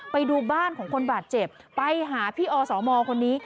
ไปดูบ้านของคนบาดเจ็บไปหาพี่อสมคนนี้